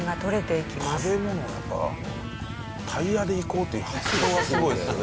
食べ物をやっぱタイヤでいこうっていう発想がすごいっすよね。